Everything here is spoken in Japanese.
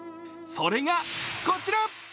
それがこちら。